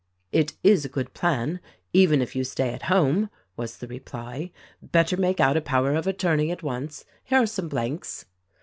"It is a good plan, even if you stay at home," was the reply. "Better make out a power of attorney at once. Here are some blanks."